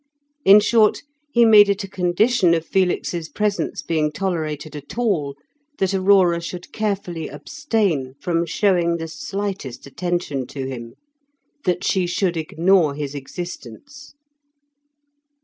In short, he made it a condition of Felix's presence being tolerated at all, that Aurora should carefully abstain from showing the slightest attention to him; that she should ignore his existence.